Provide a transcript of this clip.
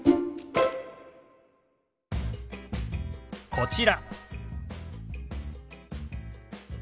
こちら。